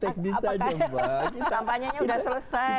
kampanye nya sudah selesai